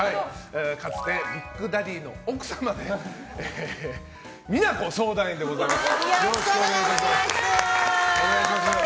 かつてビッグダディの奥様で美奈子捜査員でございます。